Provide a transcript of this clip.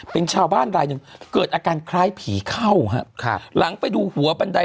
เป็นชาวบ้านรายหนึ่งเกิดอาการคล้ายผีเข้าฮะค่ะหลังไปดูหัวบันได